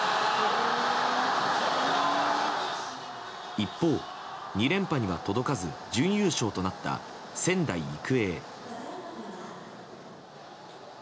一方、２連覇には届かず準優勝となった仙台育英。